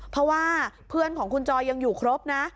เพราะว่าเพื่อนของคุณจอยยังอยู่ครบนะ